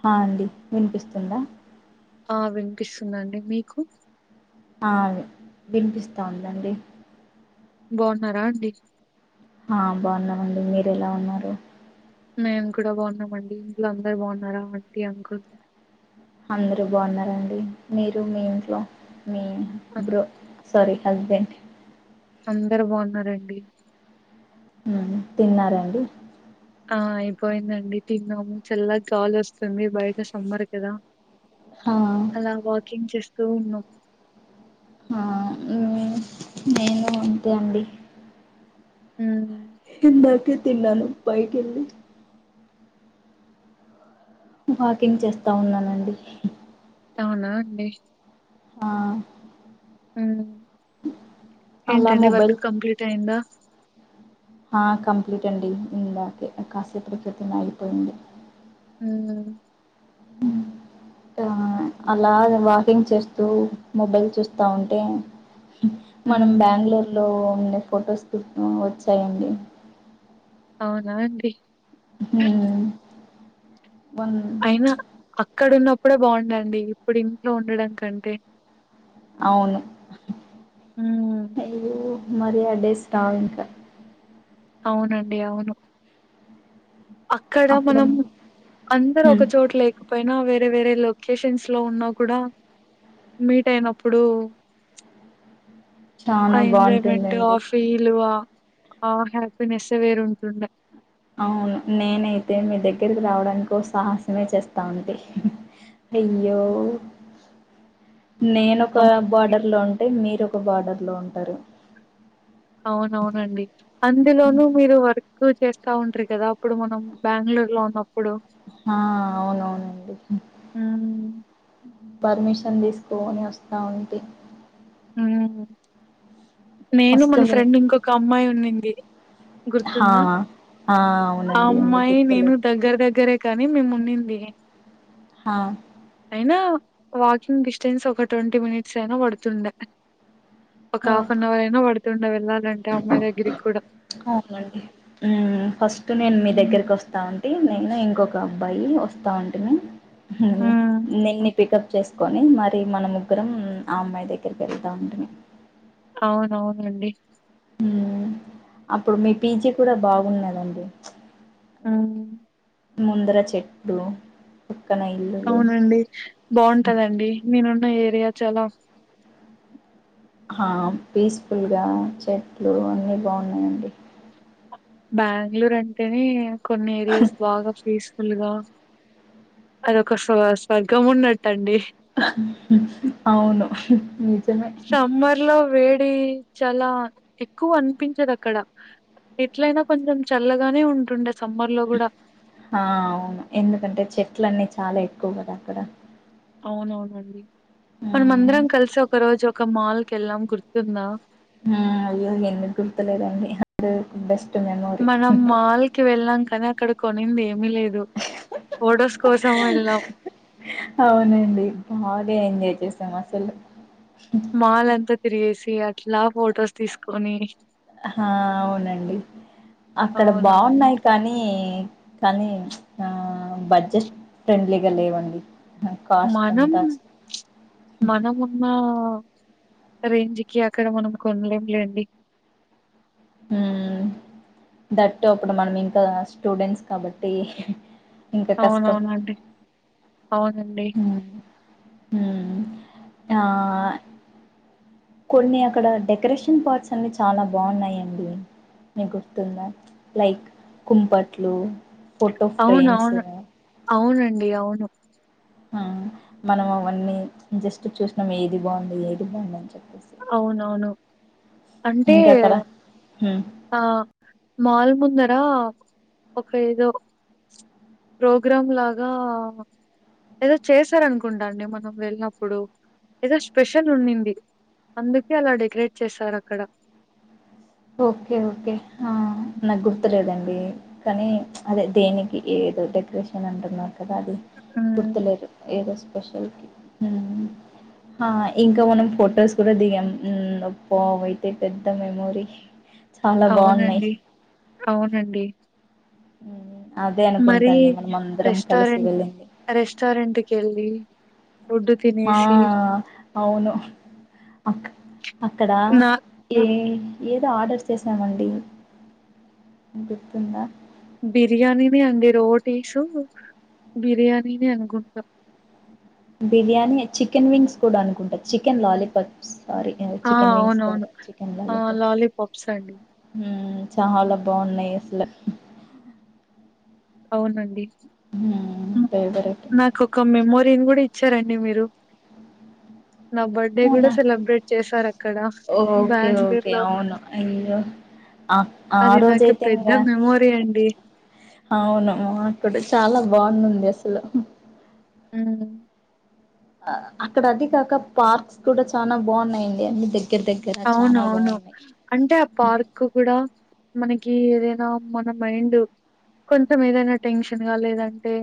హా అండి వినిపిస్తుందా ఆ వినిపిస్తుందండి మీకు వినిపిస్తా ఉందండి బాగున్నారా అండి ఆ బాగున్నామండి మీరు ఎలా ఉన్నారు మేము కూడా బాగున్నామ అండి ఇంట్లో అందరు బాగున్నారా ఆంటీ అంకుల్ అందరు బాగున్నారండి మీరు మీ ఇంట్లో ఉ అ- బ్రో సారీ హస్బెండ్ అందరు బాగున్నారండి తిన్నారండి ఆ అయిపోయిందండి తిన్నాము చల్ల గాలి వస్తుంది బయట సమ్మర్ కదా హా అలా వాకింగ్ చేస్ తున్నాం ఆ నేను అంతే అండి ఉమ్ ఇందాకే తిన్నాను పైకి వెళ్ళి వాకింగ్ చేస్తా ఉన్నానండి అవునా అండి ఆ అ అలా ఏంటండి మొబైల్ వర్క్ కంప్లీట్ అయ్యిందా కంప్లీట్ అండి ఇందకే కాసేపటి క్రితంగా అయిపోయింది. ఉ అలా వాకింగ్ చేస్తూ మొబైల్ చూస్తా ఉంటే, మనం ఉమ్ బెంగుళూరులో ఫొటోస్ తో వచ్చాయండి. అవునా అండి. ఉమ్ బంద అయినా [unintelligible] అక్కడ ఉన్నప్పుడే బాగుండండి ఇప్పుడు ఇంట్లో ఉండడం కంటే అవును ఉమ్ అయ్యో మళ్లీ ఆ డేస్ రవీంకా అవునండి అవును అక్కడ అప్పుడు మనం అందరు ఒక హ్మ్ చోటు లేకపోయినా వేరే వేరే లొకేషన్స్ లో ఉన్నా కూడా మీట్ అయినప్పుడు. ఆ చానా ఎంజాయ్మెంట్ ఆ బాగుంటుందండి ఫీల్. ఆ ఇ నెస్స వేరుంటుండే. అవును నేనైతే మీ దగ్గరికి రావడానికి సాహసమే చేస్తా ఉండి అయ్యో నేను ఒక అవునండి. బోర్డర్ లో ఉంటే మీరు ఒక బార్డర్లో ఉంటారు. అవునవునండి అందులోనూ మీరు వర్క్ ఉంటారు. కదా అప్పుడు మనం బెంగళూరు లో ఉన్నప్పుడు, ఆ అవునవునండి. హ్మ్. పర్మిషన్ తీసుకోని వస్తా ఉంటంది. ఉమ్ నేను ఫస్ట్ మన మీ ఫ్రెండ్ ఇంకొక అమ్మాయి. [unintelligible] హా గుర్తుందా? ఆ ఆ అవునండి అందుకు అమ్మాయి నేను గుర్తులేదు. దగ్గర దగ్గరే కానీ మేము ఉండింది. హా అయినా వాకింగ్ డిస్టెన్స్ ఒక ట్వంటీ మినిట్స్ అయినా పడుతుండే. ఒక హాఫ్ అన్ అవర్ అయినా [unintelligible] అంటే అమ్మాయి దగ్గరికి కూడా మ్ ఫస్ట్ నేను మీ హ్మ్ దగ్గరకి వస్తాంటి నేను ఇంకొక అబ్బాయి వస్తాంంటిమి మ్ హ్మ్ నీ పికప్ చేసుకొని మరి మన ముగ్గురం ఆ అమ్మాయి దగ్గరికి వెళ్తా ఉంటిమి అవునవునండి మ్ అప్పుడు మీ పీజీ కూడా బాగున్నదండి ఆ ముందర చెట్టు అవునండి బాగుంటదండి నేనున్న ఏరి యా చాలా ఆ పీస్ఫుల్గా చెట్లు అన్ని బాగున్నాయంండి బ్యాంగళూర్ అంటేనే కొన్ని ఏరియాస్ బాగా ఫీస్ లుగా అదొక స్వ స్వర్గం ఉన్నట్టు అండీ అవును నిజమే సమ్మర్‌లో వేడి చాలా ఎక్కువ అనిపించది అక్కడ ఎట్లయినా కొంచెం చల్లగానే ఉంటుండే సమ్మర్‌లో గూడా. ఆ అవును ఎందుకంటే చెట్లన్నీ చాలా ఎక్కువ కద అక్కడ అవునవునండి మన మ్మ్ మందరం కలిసి ఒక రోజు ఒక మాల్ కి వెళ్ళాం గుర్తుందా మ్ అయ్యో ఎందుకు గుర్తులేదండి అ బెస్ట్ మెమోరీ మనం మాల్ కి వెళ్ళాం కదా అక్కడ కొనింది ఏమీ లేదు ఫోటోస్ కోసం వెళ్ళాం అవునండి బాగా ఎంజాయ్ చేసాం అసలు మాల్ అంత తిరిగేసి అట్లా ఫొటోస్ తీసుకొని హ అవునండి అక్కడ అవునవును బాగున్నాయి కానీ కానీ ఆ బడ్జెట్ ఫ్రెండ్లీగా లేవండి కాస్ట్ మనం అంతా మనం ఉన్న రేంజ్ కి అక్కడ మనం కొనలేం లేండి ఉ థట్ అప్పుడు మనం ఇంకా స్టూడెంట్స్ కాబట్టి ఇంకా కష్టం అవునవునండి అవునండి మ్మ్ మ్మ్ ఆ కొన్ని అక్కడ డెకరేషన్ పార్ట్స్ అన్ని చాలా బాగున్నాయండి మీకు గుర్తుందా లైక్ కుంపట్లు ఫోటో అవును ఫ్రేమ్స్ అవును అవునం అండి అవును ఆ మనం అవన్నీ జస్ట్ చూసినాం ఏది బాగుంది ఏది బాగుంది అని చెప్ అవునవును అంటే ఇంకా అక్కడ హ్మ్ ఆ మాల్ ముందర ఒక ఏదో ప్రోగ్రాం లాగా ఏదో చేశారనుకుంటా అండి మనం వెళ్ళినప్పుడు ఏదో స్పెషల్ ఉన్నింది అందుకే అలా డెకరేట్ చేసారు అక్కడ ఓకే ఓకే ఆ నాకు గుర్తులేదండి కానీ అదే దేనికి ఏదో డెకరేషన్ అంటున్నారు కదా అది ఉమ్ గుర్తులేరు ఏదో ఆ ఇంకా మనం ఫొటోస్ కూడా దిగాం హ్మ్ అబ్బా అవి అయితే పెద్ద మెమోరీ చాలా బాగున్నాయి అవునండి అవునండి ఉ మరి రెస్టారెంట్ వెళ్ళింది రెస్టారెంట్కి వెళ్ళి ఫుడ్డు ఆ తినేసి అవును అక్కడ నా ఏ ఏదో ఆర్డర్స్ చేసామండి గుర్తుందా బిర్యానీని అంగే రోటీసు బిర్యానీని అనుకుంటా బిర్యానీ చికెన్ వింగ్స్ కూడా అనుకుంటా చికెన్ లాలీపాప్స్ సారీ ఆ చికెన్ వింగ్స్ అవునవును కదా చికెన్ ఆ లాలీపప్స్ లాలీపాప్స్ అండి హ్మ్మ్ చాలా బాగున్నాయి స్ అవునండి ఫేవరెట్ నాకు కమ్మి మొరిన్ గుడి వచ్చారంండి మీరు నా బర్త్డే కూడా అవునా సెలబ్రేట్ చేసారు అక్కడ ఓకే బెంగళూరు ఓకే లో అవును అయ్యో ఆ ఆ అది నాకు రోజయితే పెద్ద ఇంగా మెమోరీ అండి అవును అక్కడ చాలా బాగున్నంది అసలు హ్మ్మ్ అక్కడ అది కాక పార్క్స్ కూడా చాలా బాగున్నాయండి అన్ని దగ్గర దగ్గర అవును చానా అవును బాగున్నాయి అంటే ఆ పార్క్ కూడా మనకి ఏదైనా మన మైండ్ కొంచెం ఏదైనా టెన్షన్ గా లేదంటే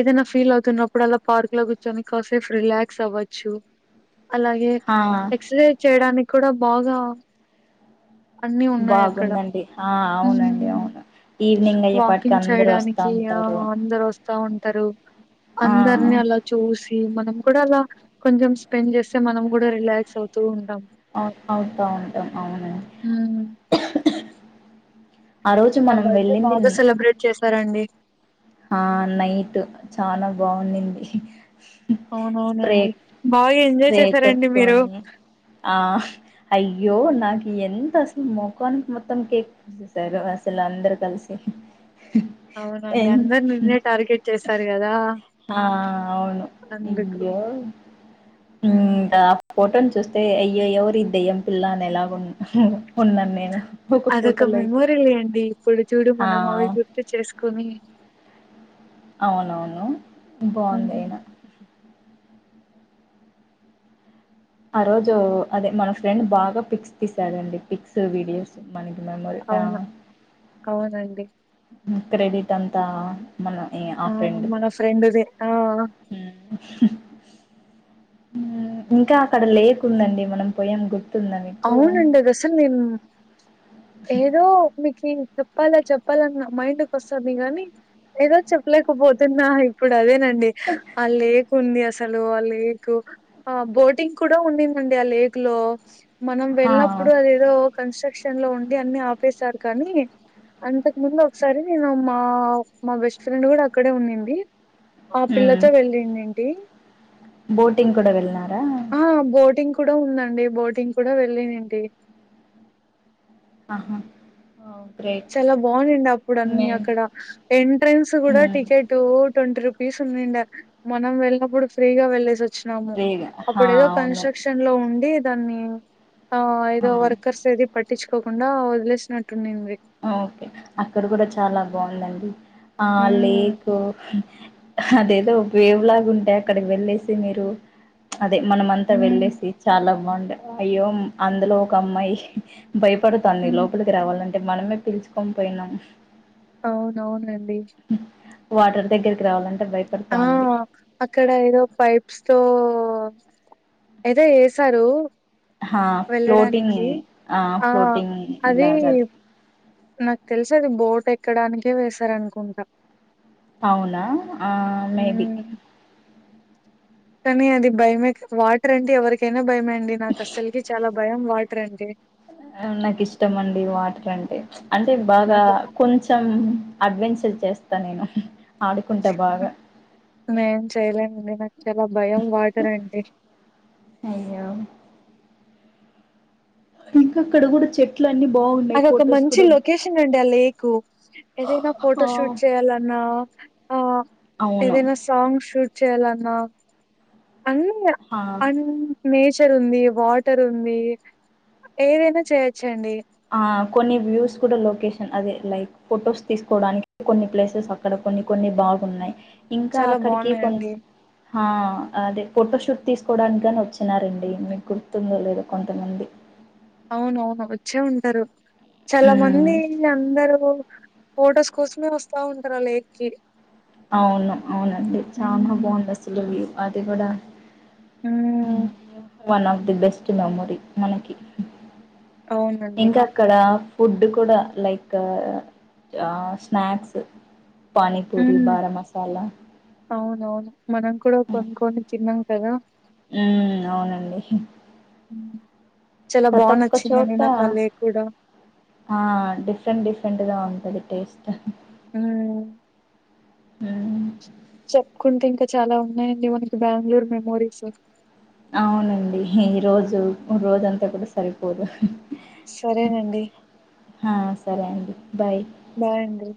ఏదైనా ఫీల్ అవుతున్నప్పుడు అలా పార్క్ లో కూర్చొనిసేఫ్ రిలాక్స్ అవ్వచ్చు అలాగే ఆ ఎక్స రే చడానికి కూడా బాగా అన్నిీ ఉన్నాయి అక్కడ బాగుందండి ఆ అవునండి అవును ఈవినింగ్ అయ్యేపాటికి వాకింగ్ అందరూ వస్తా చేయడానికి ఆ ఉంటారు అందరు వస్తా ఉంట తరు ఆ అందరిని అలా చూసి మనం కూడా అలా కొంచెం రిలాక్స్ అవుతు వూ ఉంటాం అవు అవుతా ఉంటాం అవునండి ఉమ్ ఆ రోజు నా మనం బర్డే వెళ్ళింది న బాగా సెలబ్రేట్ చేసారండి ఆ నైట్ చాలా బాగుండుది అవునవునండి బాయ్ స్ప్రే కట్టుకొని ఆ అయ్యో నా ఎంత అసలు మోఖానికి మొత్తం కేక్ పూసేసారు అసలు అందరు కలిసి అవునండి ఎన్ అందరు నన్నె టార్గెట్ చేశారు కదా ఆ అవును అందుకు ఇయ్యో హ్మ్ [unintelligible] ఫోటో చూస్తే అయ్యాయో దయ్యం పిల్ల అనేల ఉన్న ఉన్నాను నేను ఒక అదొక ఫోటోలో అయితే మెమోరీ లేండి ఇప్పుడు చూడు ఆ మనం అవి గుర్తు చేసుకొని అవునవును హ్మ్ బాగుందియినా ఆ రోజు అదే మన ఫ్రెండ్ బాగా పిక్స్ తీసారండీ పిక్స్ వీడియోస్ మనకి మెమొరీ అవునా అవునండి క్రెడిట్ అంతా మన ఆ ఫ్రెండ్ది మన ఫ్రెండ్ దే ఆ ఇంకా అక్కడ లేకుందండి మనం పోయేగు అవునండిది అసలు నేను ఏదో మీకి చెప్పాలా చెప్పాలన్న మైండ్ కు వస్తుంది గాని ఏదో చెప్పలేకపోతున్నా ఇప్పుడు అదే న ఆ లేకుంది అ అసలు ఆ లేక్ ఆ బోటింగ్ కూడా ఉండింది అండి ఆ లేక్ లో మనం హా వెళ్ళినప్పుడు అదేదో కాన్స్టేక్షన్ లో ఉండి అన్ని ఆపేశారు కానీ అంతకు ముందు ఒకసారి నేను మా మా బెస్ట్ ఫ్రెండ్ కూడా అక్కడే ఉన్నింది ఆ మ్మ్ పిల్లతో వేలిందండి బోటింగ్ కూడా వెళ్నారా ఆ! బోటింగ్ కూడా ఉందండి బోటింగ్ కూడా వెళ్ళండి ఆహా ఓ గ్రేట్ చాలా బాగుండింది అప్పుడు అన్ని మేం అక్కడ ఎంట్రెన్స్ కూడా మ్మ్ టిక్కెటు టోటి రూపీస్ ఉన్నాయండి మనం వెళ్ళప్పుడు ఫ్రీగా వెళ్లేసొచ్ వచ్చినాము ఫ్రీగా హా అప్పుడు ఏదో అవును కన్స్టేక్షన్ లో ఉండి దాన్ని ఆ ఏదో హా వర్కర్స్ ఇది పట్టించుకోకుండా వదిలేసినట్టుంంది ఓకే అక్కడ కూడా చాలా బాగుందండి ఆ ఉమ్ లేకు అదేదో వేవు లాగా ఉంటే అక్కడికి వెళ్ళేసి మీరు అదే మన అంతా ఉమ్ వెళ్ళేసి చాలా బాగు అయ్యో అందులో ఒక అమ్మాయి భయపడుతాన్ని ఉమ్ లోపలికి రావాలంటే మనమే పిలుచుకని పోయినాం అవున అవును ఎం అ వాటర్ దగ్గరికి రావాలం ఆ అక్కడ ఏదో పైప్స్ తో ఏదో చేసారు హ ఫ్లోటింగ్ ఆ ఫ్లోటింగ్ అది లాగాది నాకు తెలిస అది బోట్ ఎక్కడానికే వసార అనుకుంటా అవునా ఆ మేది కానీ అది భయమే వాటర్ అంటే ఎవరికైనా భయమే నాకు అస్స కకి చాలా భయం వాట్రడి నాకు ఇష్టం అండి వాటర్ అంటే అంటే బాగా నాకు కొంచెం అడ్వెంచర్ చేస్తా నేను ఆడుకుంటా బాగా నేం చేయలేనండి నాకు చాలా భయం వాటర్ అంటే అయ్యో ఇంకా అక్కడ కూడా చెట్లు అన్ని బాగున్నాయి అదిొ ఒక ఫొటోస్ మంచి కూడా లొకేషన్ అండి ఆ లేక్ ఏదైనా ఆ ఫోటో షూట్ చేయాలన్నా ఆ అవును ఏదైనా సాంగ్ షూట్ చేయాలన్నా అన్న ఆ అ నేచర్ ఉంది వాటర్ ఉంది ఏదైనా చేయొచ్చు ఆ కొన్ని వ్యూస్ కూడా లొకేషన్ అదే లైక్ ఫొటోస్ తీసుకోవడానికి కొన్ని ప్లేసెస్ అక్కడ కొన్ని కొన్ని బాగు ఉన్నాయి ఇంకా చాలా అక్కడికి కొం బాగున్నాయండి అదే ఫోటోషూట్ తీసుకోవడానికి కాని వచ్చినారండి మీకు గుర్తుందో లేదా కొంతమంది అవున అవును వచ్చే ఉంటారు చాలా మంది ఉమ్ అందరూ ఫొటోస్ కోసమే వస్తా ఉంటారా లేక్ కి అవును అవునండి చాల హ్మ్ బాగుంది అసలువి అది కూడా హ one of the best memory మనకి అవునండి. ఇంకా అక్కడ ఫుడ్ కూడా లైక్ స్నాక్స్ హ పానీపూరి బారా మసాలా అవునవును మనం అపుడు కొనుకొని తిను తిన్నం కదా ఉ అవునండి హ్మ్. చాలా బా ప్రతి ఒక్క నచ్చిందండి చోట నాకు ఆ లేక్ కూడా. ఆ డిఫరెంట్ డిఫరెంట్గా ఉంటది టేస్ట్ అ హ చెప్పుకుంటే ఇంకా చాలా ఉన్నాయండి మనకి బెంగళూరు మెమోరీస్ అవునండి ఈ రోజు రోజంతా కూడా సరిపోదు సరేనండి ఆ సరే అండి బాయ్ బాయ్ అండి